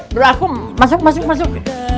bro aku masuk masuk masuk